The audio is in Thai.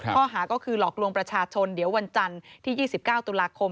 ข้อหาก็คือหลอกลวงประชาชนเดี๋ยววันจันทร์ที่๒๙ตุลาคม